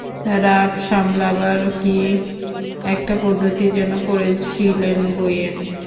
রাগ সামলাবার কী একটা পদ্ধতি যেন পড়েছিলেন বইয়ে।